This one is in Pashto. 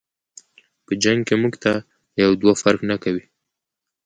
په جنګ کی مونږ ته یو دوه فرق نکوي.